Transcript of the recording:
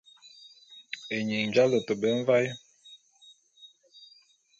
Ényin j'alôte be mvaé.